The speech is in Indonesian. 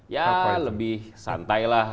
ya lebih santai lah